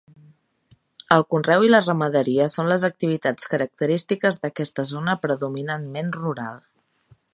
El conreu i la ramaderia són les activitats característiques d'aquesta zona predominantment rural.